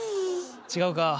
違うか。